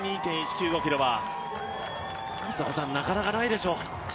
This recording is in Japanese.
ｋｍはなかなかないでしょう。